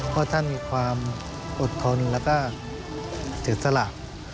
เพราะท่านมีความอดทนและเจ็ดสลัก